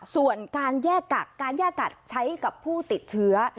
ส่วนการแยกกักการแยกกัดใช้กับผู้ติดเชื้อ